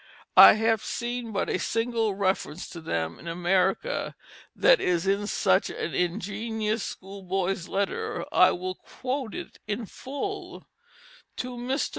I have seen but a single reference to them in America and that is in such an ingenuous schoolboy's letter I will quote it in full: "To MR.